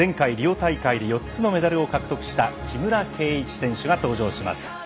大会で４つのメダルを獲得した木村敬一選手が登場します。